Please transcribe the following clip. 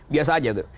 biasa aja tuh